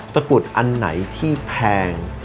กรุดอันไหนที่แพง